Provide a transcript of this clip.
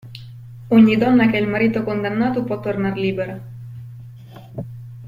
Ogni donna che ha il marito condannato può tornar libera.